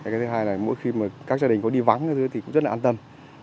cái thứ hai là mỗi khi các gia đình có đi vắng thì cũng rất là an tâm